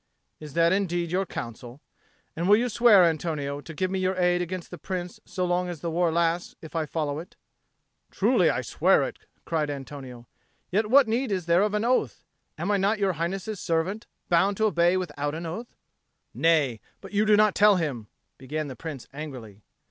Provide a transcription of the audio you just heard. "Is that indeed your counsel? And will you swear, Antonio, to give me your aid against the Prince so long as the war lasts, if I follow it?" "Truly, I swear it," cried Antonio. "Yet what need is there of an oath? Am I not Your Highness's servant, bound to obey without an oath?" "Nay, but you do not tell him " began the Prince angrily.